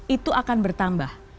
itu akan bertambah